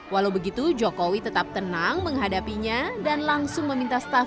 walau begitu jokowi tetap tenang menghadapinya dan langsung meminta staff